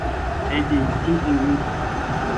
Ejeity yvýpe.